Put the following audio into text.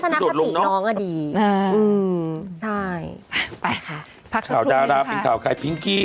พักสุดนึงค่ะเดี๋ยวกลับมาค่ะข่าวดาราเป็นข่าวใครปิงกี้